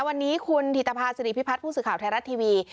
วันนี้คุณถิตภาษิริพิพัฒน์ผู้สื่อข่าวไทยรัฐทีวี